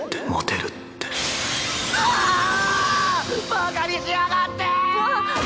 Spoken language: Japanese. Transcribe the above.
バカにしやがって‼ああっ。